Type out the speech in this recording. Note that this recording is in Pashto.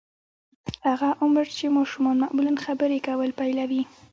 هغه عمر چې ماشومان معمولاً خبرې کول پيلوي.